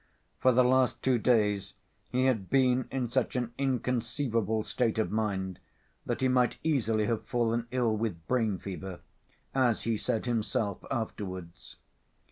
For the last two days he had been in such an inconceivable state of mind that he might easily have fallen ill with brain fever, as he said himself afterwards.